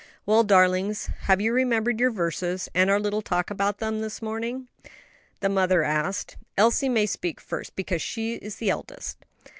"Well, darlings, have you remembered your verses and our little talk about them this morning?" the mother asked. "Elsie may speak first, because she is the eldest."